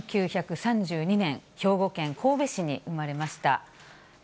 １９３２年、兵庫県神戸市に生まれました。